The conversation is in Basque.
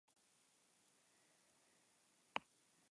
Faila, latinezko termino bat da, akatsa esan nahi du, okerra.